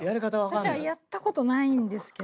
私はやったことないんですけど。